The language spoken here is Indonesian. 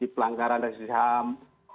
pelanggaran dari ham